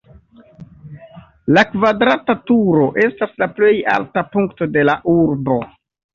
La kvadrata turo estas la plej alta punkto de la urbo.